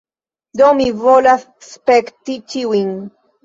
Do, mi volas spekti ĉiujn